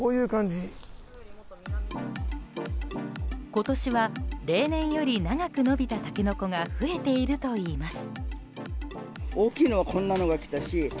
今年は例年より長く伸びたタケノコが増えているといいます。